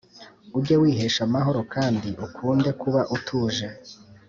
ujye wihesha amahoro kandi ukunde kuba utuje